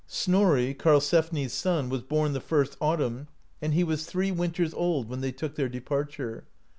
Snorri, Karlsefni's son, was born the first au tumn, and he was three winters* old when they took their departure.